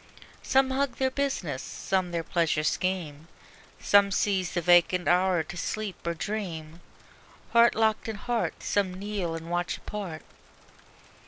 Some hug their business, some their pleasure scheme; Some seize the vacant hour to sleep or dream; Heart locked in heart some kneel and watch apart.